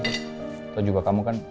itu juga kamu kan